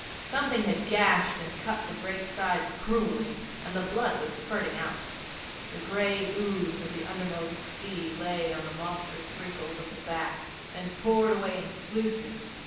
Something had gashed and cut the great sides cruelly and the blood was spurting out. The gray ooze of the undermost sea lay in the monstrous wrinkles of the back, and poured away in sluices.